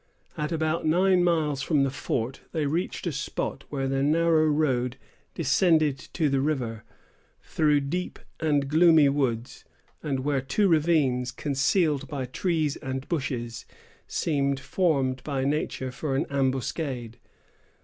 At about nine miles from the fort, they reached a spot where the narrow road descended to the river through deep and gloomy woods, and where two ravines, concealed by trees and bushes, seemed formed by nature for an ambuscade.